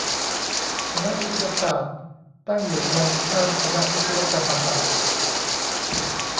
คณะวิทยาศาสตร์ ตั้งอยู่ตรงข้ามคณะวิศวกรรมศาสตร์